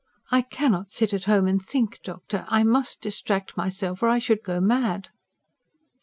"I cannot sit at home and think, doctor. I MUST distract myself; or I should go mad."